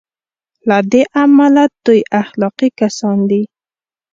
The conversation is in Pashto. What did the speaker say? له دې امله دوی اخلاقي کسان دي.